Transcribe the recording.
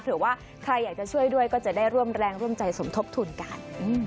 หรือว่าใครอยากจะช่วยด้วยก็จะได้ร่วมแรงร่วมใจสมทบทุนกัน